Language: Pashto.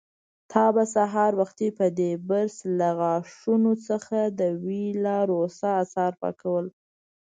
تا به سهار وختي په دې برس له غاښونو څخه د وېلاروسا آثار پاکول.